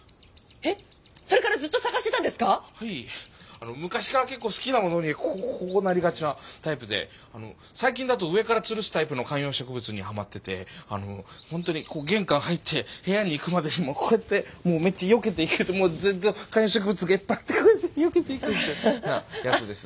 あの昔から結構好きなものにこうなりがちなタイプであの最近だと上からつるすタイプの観葉植物にハマっててあのほんとにこう玄関入って部屋に行くまでもうこうやってもうめっちゃよけていくとずっと観葉植物がいっぱいあってこうやってよけていくみたいなやつです。